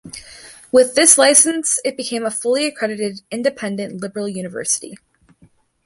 With this licence it became a fully accredited independent liberal university.